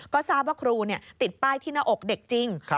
ก็ทราบว่าครูติดป้ายที่หน้าอกเด็กจริง